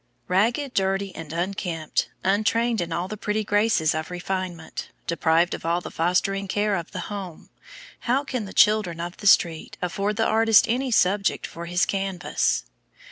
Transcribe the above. Ragged, dirty, and unkempt; untrained in all the pretty graces of refinement; deprived of all the fostering care of the home, how can the children of the street afford the artist any subjects for his canvas?